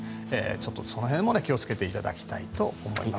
その辺も気をつけていただきたいと思います。